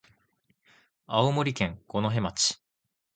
青森県五戸町